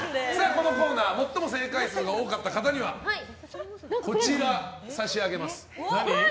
このコーナー最も正解数が多かった方にはこちらを差し上げます。